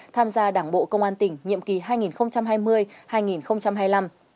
tham gia đảng bộ công an tỉnh nhiệm kỳ hai nghìn hai mươi hai nghìn hai mươi năm